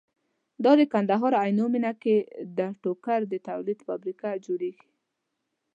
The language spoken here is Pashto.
دا د کندهار عينو مينه کې ده ټوکر د تولید فابريکه جوړيږي